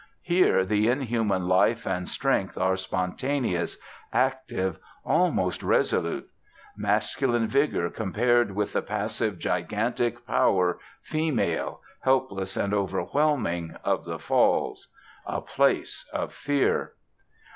Here the inhuman life and strength are spontaneous, active, almost resolute; masculine vigour compared with the passive gigantic power, female, helpless and overwhelming, of the Falls. A place of fear.